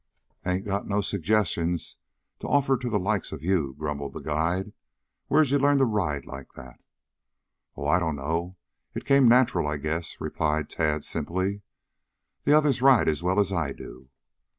"Hain't got no suggestions to offer to the likes of you," grumbled the guide. "Where'd you learn to ride like that?" "Oh, I don't know. It came natural, I guess," replied Tad simply. "The others ride as well as I do."